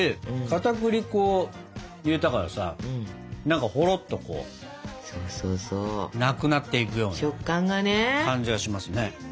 かたくり粉を入れたからさ何かほろっとなくなっていくような感じがしますね。